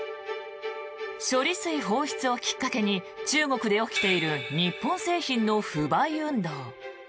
処理水放出をきっかけに中国で起きている日本製品の不買運動。